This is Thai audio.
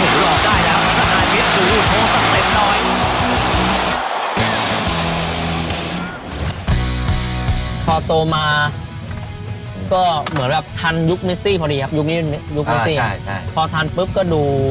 ยุคนี้มันยุคเมซี่หรอพอทันปุ๊บก็ดู